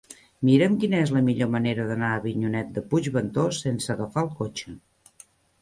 Mira'm quina és la millor manera d'anar a Avinyonet de Puigventós sense agafar el cotxe.